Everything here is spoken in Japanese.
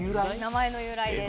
名前の由来です・